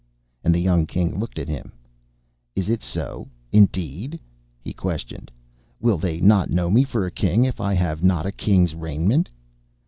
And the young King looked at him. 'Is it so, indeed?' he questioned. 'Will they not know me for a king if I have not a king's raiment?